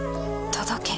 届け。